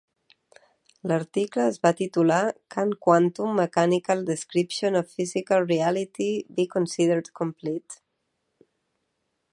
L'article es va titular "Can quantum-mechanical description of physical reality be considered complete?".